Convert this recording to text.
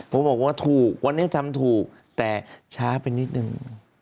ผมบอกว่าถูกวันนี้ทำถูกแต่ช้าไปนิดนึง